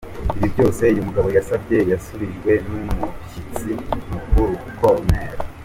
Ibi byose uyu mugabo yasabye yasubijwe n’umushyitsi mukuru Col.